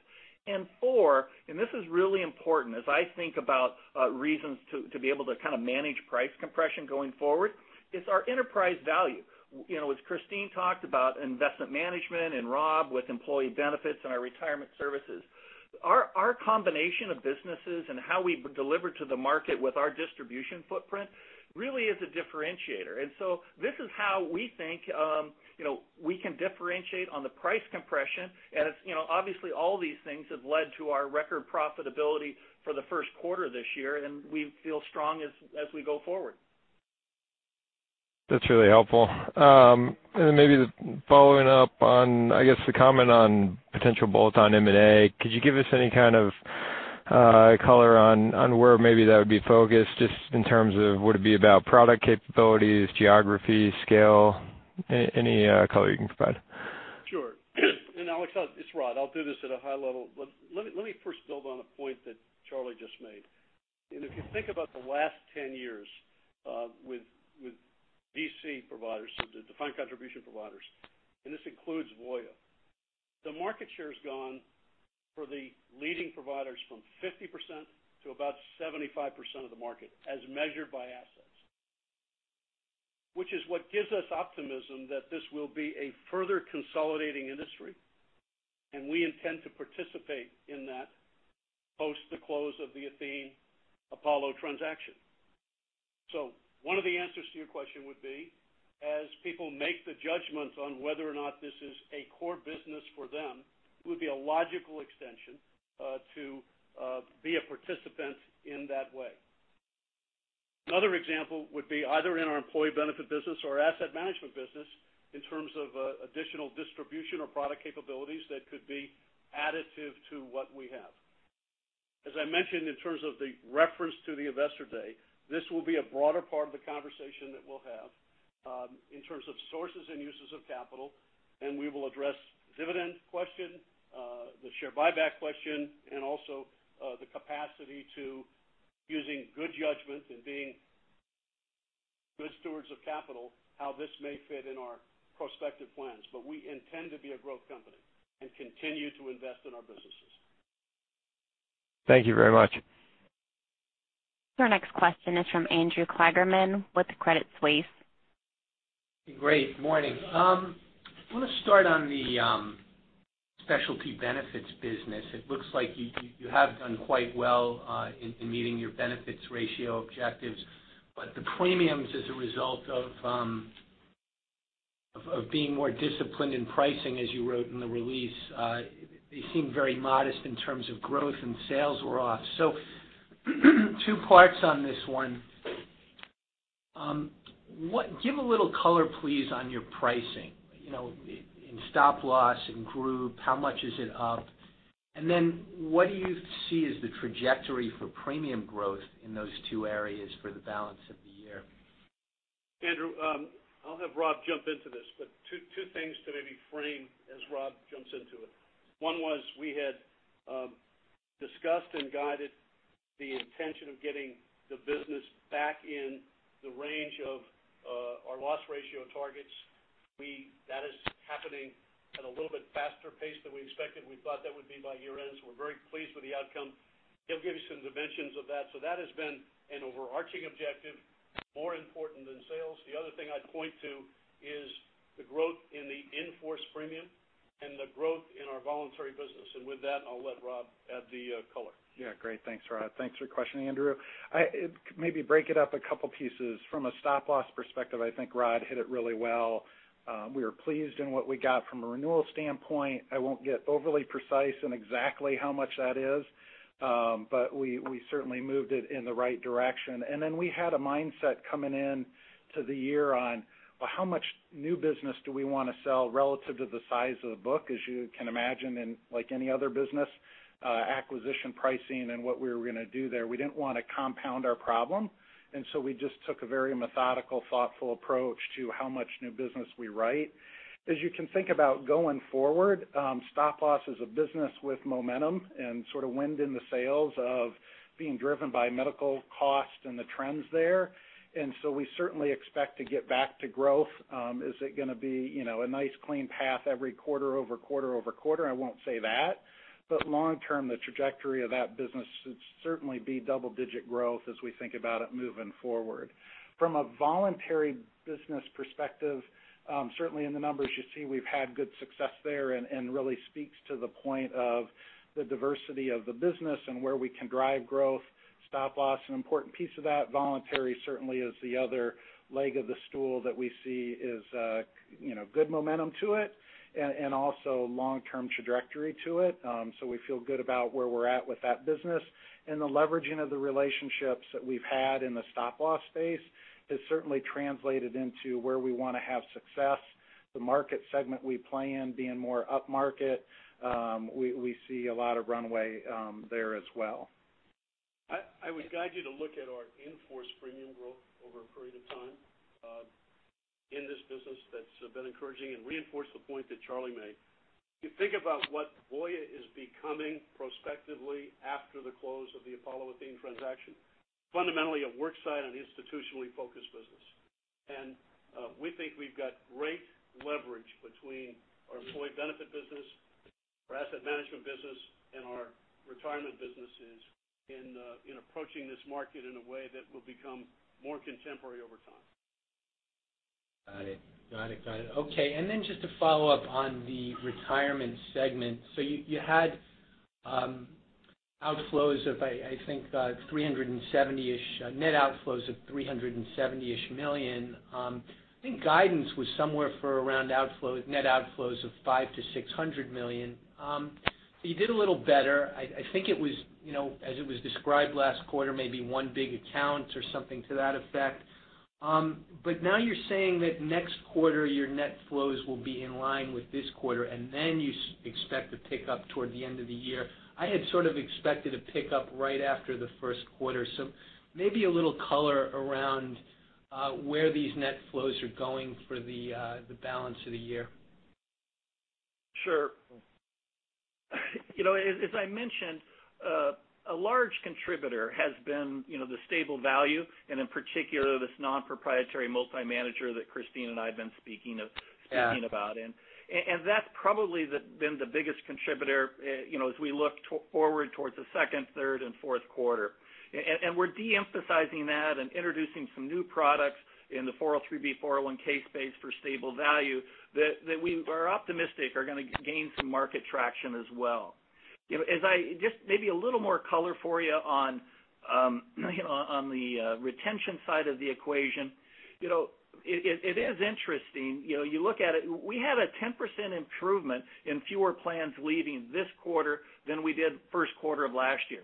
Four, and this is really important as I think about reasons to be able to manage price compression going forward, is our enterprise value. As Christine talked about investment management and Rob with employee benefits and our retirement services, our combination of businesses and how we deliver to the market with our distribution footprint really is a differentiator. This is how we think we can differentiate on the price compression. Obviously all these things have led to our record profitability for the first quarter this year, and we feel strong as we go forward. That's really helpful. Maybe following up on, I guess, the comment on potential bolt-on M&A, could you give us any kind of color on where maybe that would be focused, just in terms of would it be about product capabilities, geography, scale? Any color you can provide. Sure. Alex, it's Rod, I'll do this at a high level. Let me first build on a point that Charlie just made. If you think about the last 10 years, with DC providers, the Defined Contribution providers, this includes Voya. The market share has gone for the leading providers from 50% to about 75% of the market as measured by assets, which is what gives us optimism that this will be a further consolidating industry. We intend to participate in that post the close of the Athene Apollo transaction. One of the answers to your question would be, as people make the judgment on whether or not this is a core business for them, it would be a logical extension to be a participant in that way. Another example would be either in our employee benefit business or asset management business in terms of additional distribution or product capabilities that could be additive to what we have. As I mentioned in terms of the reference to the investor day, this will be a broader part of the conversation that we'll have, in terms of sources and uses of capital. We will address dividend question, the share buyback question, also the capacity to using good judgment and being good stewards of capital, how this may fit in our prospective plans. We intend to be a growth company and continue to invest in our businesses. Thank you very much. Our next question is from Andrew Kligerman with Credit Suisse. Great, morning. I want to start on the specialty benefits business. It looks like you have done quite well in meeting your benefits ratio objectives, but the premiums as a result of being more disciplined in pricing, as you wrote in the release, they seem very modest in terms of growth and sales were off. Two parts on this one. Give a little color, please, on your pricing, in stop-loss, in group, how much is it up? What do you see as the trajectory for premium growth in those two areas for the balance of the year? Andrew, I'll have Rob jump into this, but two things to maybe frame as Rob jumps into it. One was we had discussed and guided the intention of getting the business back in the range of our loss ratio targets. That is happening at a little bit faster pace than we expected. We thought that would be by year-end, we're very pleased with the outcome. He'll give you some dimensions of that. That has been an overarching objective, more important than sales. The other thing I'd point to is the growth in the in-force premium and the growth in our voluntary business. With that, I'll let Rob add the color. Yeah. Great. Thanks, Rod. Thanks for questioning, Andrew. Maybe break it up a couple pieces. From a stop-loss perspective, I think Rod hit it really well. We were pleased in what we got from a renewal standpoint. I won't get overly precise in exactly how much that is. We certainly moved it in the right direction. Then we had a mindset coming in to the year on, well, how much new business do we want to sell relative to the size of the book? As you can imagine, like any other business, acquisition pricing and what we were going to do there, we didn't want to compound our problem, we just took a very methodical, thoughtful approach to how much new business we write. As you can think about going forward, stop-loss is a business with momentum and sort of wind in the sails of being driven by medical costs and the trends there, we certainly expect to get back to growth. Is it going to be a nice clean path every quarter over quarter over quarter? I won't say that, long term, the trajectory of that business should certainly be double-digit growth as we think about it moving forward. From a voluntary business perspective, certainly in the numbers you see we've had good success there and really speaks to the point of the diversity of the business and where we can drive growth, stop-loss, an important piece of that. Voluntary certainly is the other leg of the stool that we see is good momentum to it and also long-term trajectory to it. We feel good about where we're at with that business. The leveraging of the relationships that we've had in the stop-loss space has certainly translated into where we want to have success. The market segment we play in being more upmarket, we see a lot of runway there as well. I would guide you to look at our in-force premium growth over a period of time. In this business that's been encouraging and reinforce the point that Charlie made. If you think about what Voya is becoming prospectively after the close of the Apollo Athene transaction, fundamentally a work site and institutionally focused business. We think we've got great leverage between our employee benefit business, our asset management business, and our retirement businesses in approaching this market in a way that will become more contemporary over time. Got it. Okay, just to follow up on the retirement segment. You had outflows of, I think, net outflows of $370-ish million. I think guidance was somewhere for around net outflows of $500 million-$600 million. You did a little better. I think it was, as it was described last quarter, maybe one big account or something to that effect. Now you're saying that next quarter your net flows will be in line with this quarter, then you expect to pick up toward the end of the year. I had sort of expected a pick up right after the first quarter. Maybe a little color around where these net flows are going for the balance of the year. Sure. As I mentioned, a large contributor has been the stable value and in particular, this non-proprietary multi-manager that Christine and I have been speaking about. Yeah. That's probably been the biggest contributor as we look forward towards the second, third, and fourth quarter. We're de-emphasizing that and introducing some products in the 403 401 space for stable value that we are optimistic are going to gain some market traction as well. Just maybe a little more color for you on the retention side of the equation. It is interesting, you look at it, we had a 10% improvement in fewer plans leaving this quarter than we did first quarter of last year.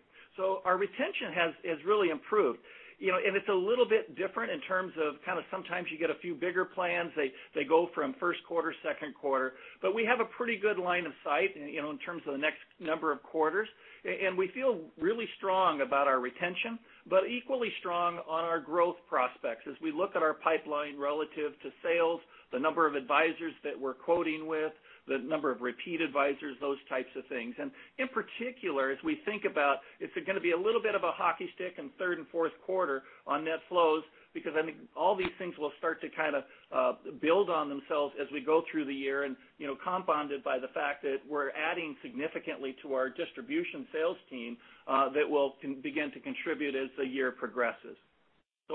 Our retention has really improved. It's a little bit different in terms of kind of sometimes you get a few bigger plans, they go from first quarter, second quarter. We have a pretty good line of sight in terms of the next number of quarters, and we feel really strong about our retention, but equally strong on our growth prospects as we look at our pipeline relative to sales, the number of advisors that we're quoting with, the number of repeat advisors, those types of things. In particular, as we think about if they're going to be a little bit of a hockey stick in third and fourth quarter on net flows, because I think all these things will start to build on themselves as we go through the year and compounded by the fact that we're adding significantly to our distribution sales team that will begin to contribute as the year progresses.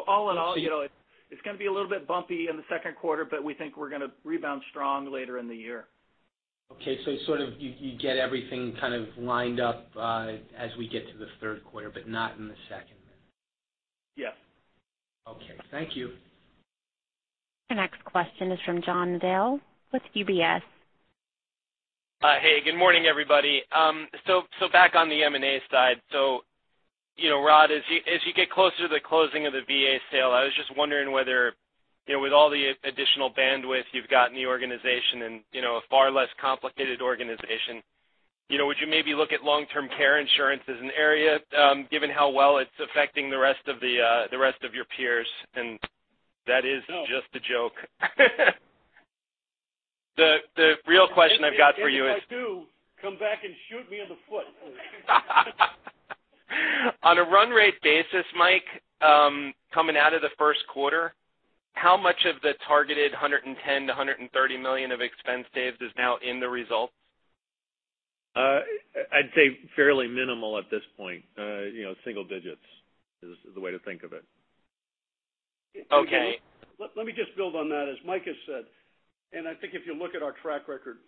All in all. So you- It's going to be a little bit bumpy in the second quarter, but we think we're going to rebound strong later in the year. Okay, you get everything kind of lined up as we get to the third quarter, but not in the second then. Yes. Okay. Thank you. The next question is from John Nadel with UBS. Hey, good morning, everybody. Back on the M&A side. Rod, as you get closer to the closing of the VA sale, I was just wondering whether with all the additional bandwidth you've got in the organization and a far less complicated organization, would you maybe look at long-term care insurance as an area given how well it's affecting the rest of your peers? No That is just a joke. If I do, come back and shoot me in the foot. On a run rate basis, Mike, coming out of the first quarter, how much of the targeted $110 million-$130 million of expense saves is now in the results? I'd say fairly minimal at this point. Single digits is the way to think of it. Okay. Let me just build on that, as Mike has said. I think if you look at our track record,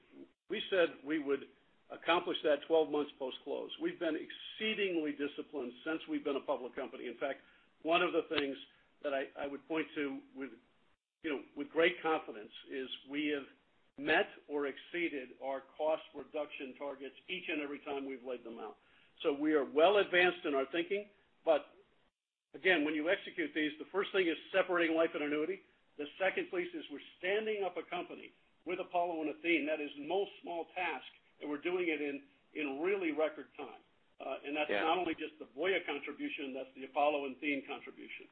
we said we would accomplish that 12 months post-close. We've been exceedingly disciplined since we've been a public company. In fact, one of the things that I would point to with great confidence is we have met or exceeded our cost reduction targets each and every time we've laid them out. We are well advanced in our thinking. Again, when you execute these, the first thing is separating life and annuity. The second piece is we're standing up a company with Apollo and Athene that is no small task, and we're doing it in really record time. Yeah. That's not only just the Voya contribution, that's the Apollo and Athene contribution.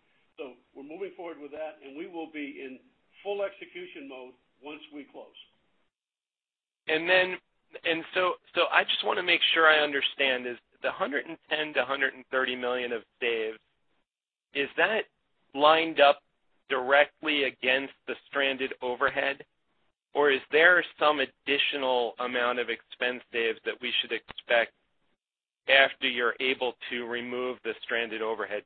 We're moving forward with that, and we will be in full execution mode once we close. I just want to make sure I understand, is the $110 million-$130 million of save, is that lined up directly against the stranded overhead, or is there some additional amount of expense saves that we should expect after you're able to remove the stranded overhead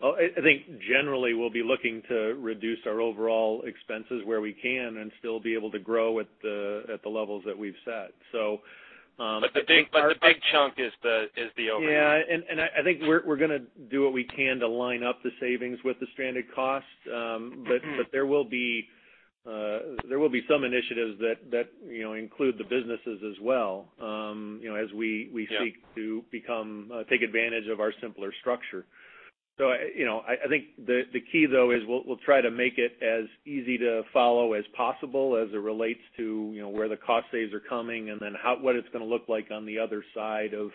cost? I think generally we'll be looking to reduce our overall expenses where we can and still be able to grow at the levels that we've set. The big chunk is the overhead. I think we're going to do what we can to line up the savings with the stranded costs. There will be some initiatives that include the businesses as well. Yeah seek to take advantage of our simpler structure. I think the key though is we'll try to make it as easy to follow as possible as it relates to where the cost saves are coming and then what it's going to look like on the other side of,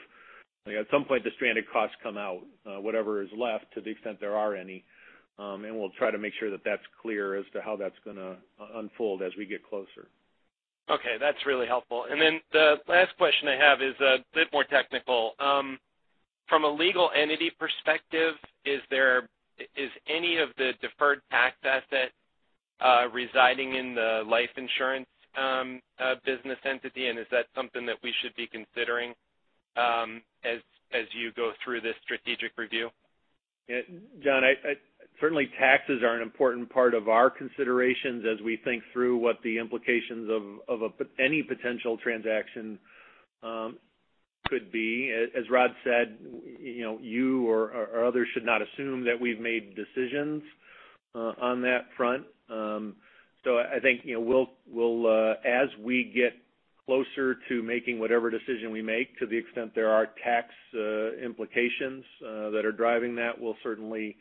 at some point, the stranded costs come out, whatever is left to the extent there are any. We'll try to make sure that's clear as to how that's going to unfold as we get closer. Okay, that's really helpful. Then the last question I have is a bit more technical. From a legal entity perspective, is any of the deferred tax asset residing in the life insurance business entity, and is that something that we should be considering as you go through this strategic review? John, certainly taxes are an important part of our considerations as we think through what the implications of any potential transaction could be. As Rod said, you or others should not assume that we've made decisions on that front. I think as we get closer to making whatever decision we make, to the extent there are tax implications that are driving that, we'll certainly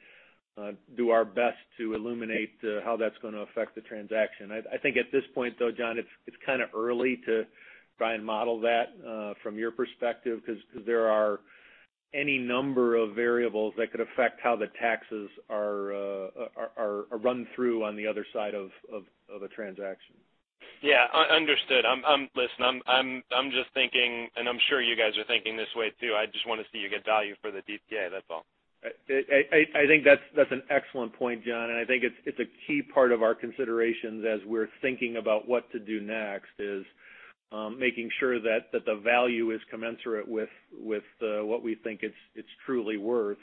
do our best to illuminate how that's going to affect the transaction. I think at this point, though, John, it's kind of early to try and model that from your perspective because there are any number of variables that could affect how the taxes are run through on the other side of a transaction. Yeah. Understood. Listen, I'm just thinking, and I'm sure you guys are thinking this way too, I just want to see you get value for the DTA, that's all. That's an excellent point, John, I think it's a key part of our considerations as we're thinking about what to do next is making sure that the value is commensurate with what we think it's truly worth.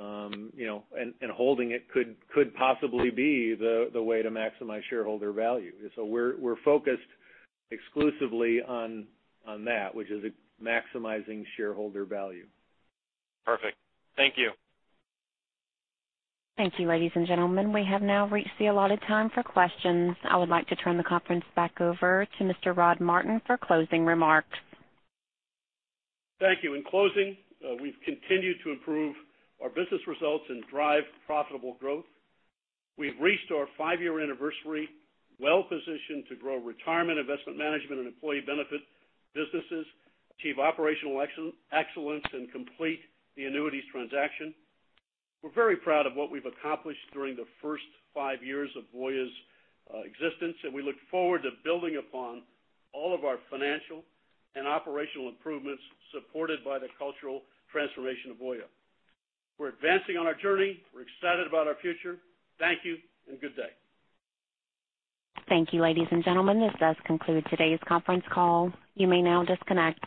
Holding it could possibly be the way to maximize shareholder value. We're focused exclusively on that, which is maximizing shareholder value. Perfect. Thank you. Thank you, ladies and gentlemen. We have now reached the allotted time for questions. I would like to turn the conference back over to Mr. Rod Martin for closing remarks. Thank you. In closing, we've continued to improve our business results and drive profitable growth. We've reached our five-year anniversary well positioned to grow retirement investment management and employee benefit businesses, achieve operational excellence and complete the annuities transaction. We're very proud of what we've accomplished during the first five years of Voya's existence, we look forward to building upon all of our financial and operational improvements supported by the cultural transformation of Voya. We're advancing on our journey. We're excited about our future. Thank you, and good day. Thank you, ladies and gentlemen. This does conclude today's conference call. You may now disconnect.